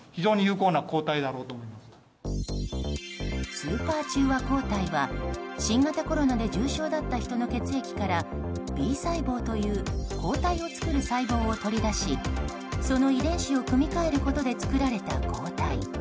スーパー中和抗体は新型コロナで重症だった人の血液からＢ細胞という抗体を作る細胞を取り出しその遺伝子を組み替えることで作られた抗体。